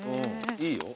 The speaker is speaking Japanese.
いいよ。